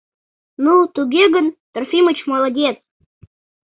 — Ну, туге гын, Трофимыч молодец...